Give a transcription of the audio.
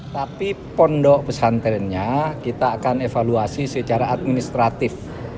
tapi pondok pesantrennya kita akan evaluasi secara administratif